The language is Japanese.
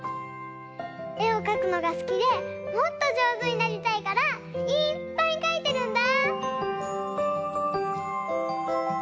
えをかくのが好きでもっと上手になりたいからいっぱいかいてるんだ！